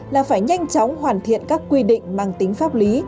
là phải nhanh chóng hoàn thiện các quy định mang tính pháp lý